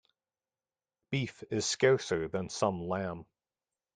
Beef is scarcer than some lamb.